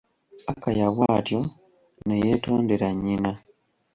Akaya bw'atyo ne yeetondera nnyina.